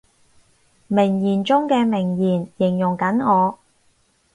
名言中嘅名言，形容緊我